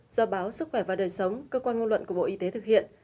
do báo sức khỏe và đời sống cơ quan ngôn luận của bộ y tế thực hiện